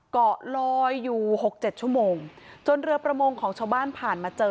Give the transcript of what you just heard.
เกาะลอยอยู่หกเจ็ดชั่วโมงจนเรือประมงของชาวบ้านผ่านมาเจอ